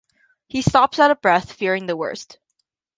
He stops out of breath, fearing the worst.